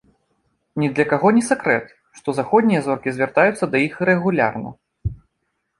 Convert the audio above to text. Ні для каго не сакрэт, што заходнія зоркі звяртаюцца да іх рэгулярна.